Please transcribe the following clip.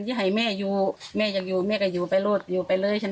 จะให้แม่อยู่แม่อยากอยู่แม่ก็อยู่ไปรวดอยู่ไปเลยฉัน